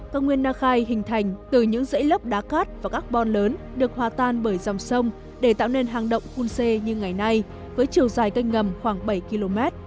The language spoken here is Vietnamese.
cao nguyên nakhai hình thành từ những dãy lớp đá cát và các bon lớn được hòa tan bởi dòng sông để tạo nên hang động khunse như ngày nay với chiều dài cây ngầm khoảng bảy km